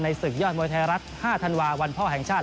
ศึกยอดมวยไทยรัฐ๕ธันวาวันพ่อแห่งชาติ